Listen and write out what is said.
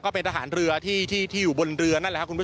ก็เป็นทหารเรือที่ที่ที่อยู่บนเรือนั่นแหละคุณผู้